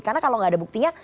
karena kalau gak ada buktinya